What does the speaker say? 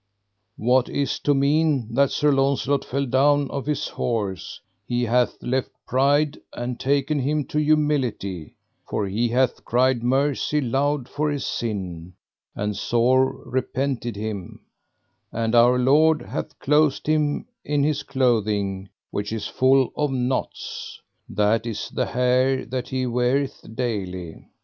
What is to mean that Sir Launcelot fell down off his horse: he hath left pride and taken him to humility, for he hath cried mercy loud for his sin, and sore repented him, and our Lord hath clothed him in his clothing which is full of knots, that is the hair that he weareth daily.